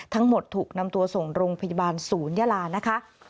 ทั้งหมดถูกนำตัวส่งโรงพยาบาลศูนย์ยาลานะคะ